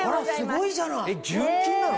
純金なの？